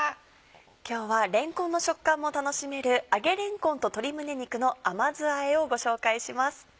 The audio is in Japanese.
今日はれんこんの食感も楽しめる「揚げれんこんと鶏胸肉の甘酢あえ」をご紹介します。